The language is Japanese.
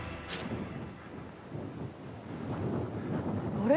「あれ？